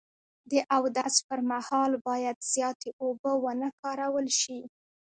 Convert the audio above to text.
د اودس پر مهال باید زیاتې اوبه و نه کارول شي.